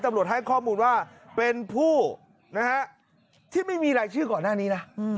ตำรวจให้ข้อมูลว่าเป็นผู้นะฮะที่ไม่มีรายชื่อก่อนหน้านี้นะ